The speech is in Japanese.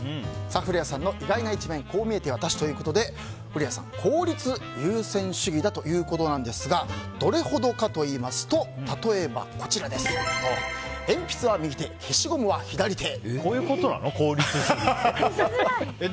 古谷さんの意外な一面こう見えてワタシということで古谷さん効率優先主義だということなんですがどれほどかといいますと例えば、鉛筆は右手消しゴムは左手。